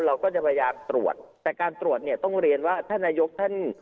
เราก็จะพยายามตรวจแต่การตรวจเนี่ยต้องเรียนว่าท่านนายกท่าน